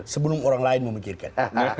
sebelum orang lain memikirkan